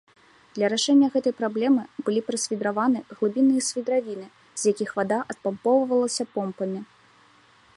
Для рашэння гэтай праблемы былі прасвідраваны глыбінныя свідравіны, з якіх вада адпампоўвалася помпамі.